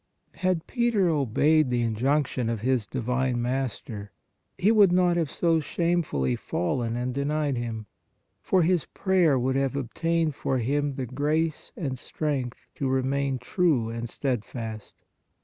Had Peter obeyed the injunction of his divine Master, he would not have so shamefully fallen and denied Him, for his prayer would have obtained for him the grace and strength to remain true and steadfast.